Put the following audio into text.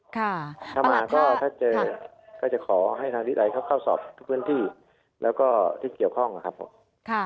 ถ้ามาก็จะขอให้ทางรีตไอเข้าสอบทุกพื้นที่แล้วก็ที่เกี่ยวข้องนะครับผม